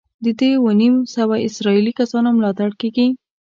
د دې اووه نیم سوه اسرائیلي کسانو ملاتړ کېږي.